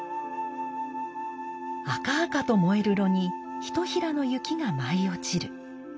赤々と燃える炉にひとひらの雪が舞い落ちる。